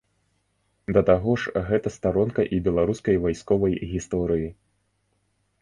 Да таго ж гэта старонка і беларускай вайсковай гісторыі.